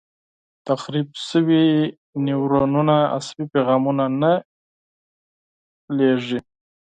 تخریب شوي نیورونونه عصبي پیغامونه نه لېږدوي.